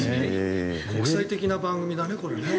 国際的な番組だね。